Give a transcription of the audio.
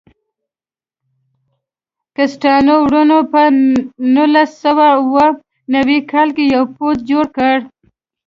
کسټانو وروڼو په نولس سوه اوه نوي کال کې یو پوځ جوړ کړ.